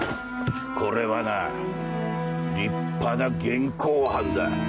これはな立派な現行犯だ。